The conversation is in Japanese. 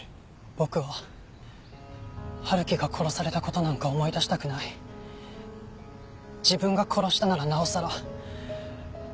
僕は春樹が殺された事なんか思い出したくない自分が殺したならなおさらそう思ってました。